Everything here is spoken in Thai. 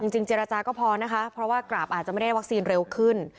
จริงเจรจาก็พอนะคะเพราะว่ากราบอาจจะไม่ได้วัคซีนเร็วขึ้น